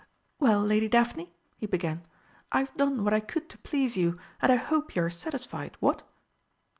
"Well, Lady Daphne," he began, "I've done what I could to please you, and I hope you are satisfied, what?"